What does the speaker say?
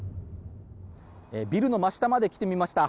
ビルの真下まで来てみました。